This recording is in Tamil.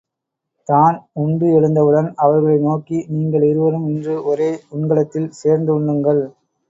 தான் உண்டு எழுந்தவுடன் அவர்களை நோக்கி, நீங்கள் இருவரும் இன்று ஒரே உண்கலத்தில் சேர்ந்து உண்ணுங்கள்!